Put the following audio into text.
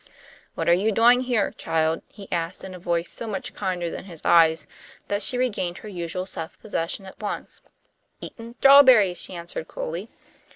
"What are you doing here, child?" he asked, in a voice so much kinder than his eyes that she regained her usual self possession at once. "Eatin' 'trawberries," she answered, coolly.